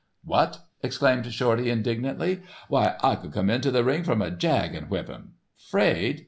"What!" exclaimed Shorty, indignantly. "Why I could come into the ring from a jag and whip him; 'fraid!